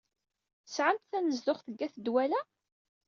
Tesɛamt tanezduɣt deg at Dwala?